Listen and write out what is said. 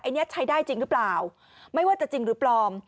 อันนี้ใช้ได้จริงหรือเปล่าไม่ว่าจะจริงหรือปลอม